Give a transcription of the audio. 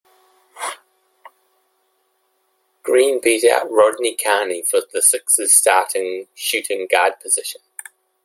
Green beat out Rodney Carney for the Sixers starting shooting guard position.